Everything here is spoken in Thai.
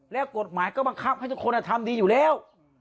แล้วกฎหมายก็บังคับให้ทุกคนทำดีอยู่แล้ว